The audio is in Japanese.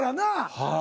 はい。